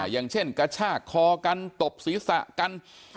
อย่างเช่นกระชากคอกันตบศีรษะกัน